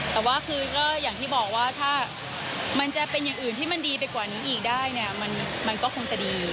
แต่ว่าคือก็อย่างที่บอกว่าถ้ามันจะเป็นอย่างอื่นที่มันดีไปกว่านี้อีกได้เนี่ยมันก็คงจะดี